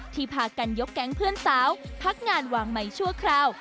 พากันยกแก๊งเพื่อนสาวพักงานวางใหม่ชั่วคราว